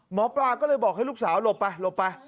หมอปลาก็เลยบอกให้ลูกสาวหลบไปหลบไป